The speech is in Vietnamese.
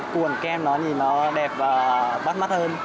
cuộn kem nó nhìn nó đẹp và bắt mắt hơn